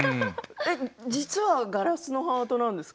実はガラスのハートなんですか？